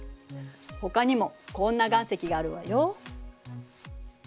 ほかにもこんな岩石があるわよ。